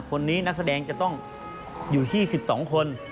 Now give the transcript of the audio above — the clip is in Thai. คนนี้นักแสดงจะต้องอยู่ที่๑๒คน